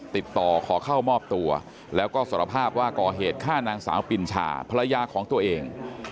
ติดต่อขอเข้ามอบตัวแล้วก็สารภาพว่าก่อเหตุฆ่านางสาวปินชาภรรยาของตัวเอง